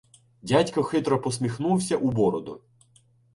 Дядько хитро посміхнувся у бороду.